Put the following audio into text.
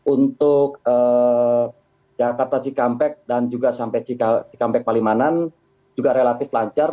untuk jakarta cikampek dan juga sampai cikampek palimanan juga relatif lancar